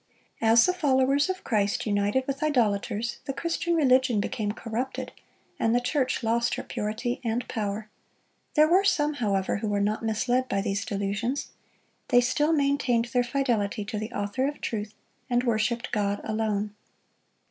As the followers of Christ united with idolaters, the Christian religion became corrupted, and the church lost her purity and power. There were some, however, who were not misled by these delusions. They still maintained their fidelity to the Author of truth, and worshiped God alone.